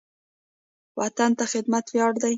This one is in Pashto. وطن ته خدمت ویاړ دی